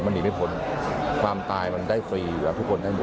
มันหนีไม่พ้นความตายมันได้ฟรีและทุกคนได้หนุ่ม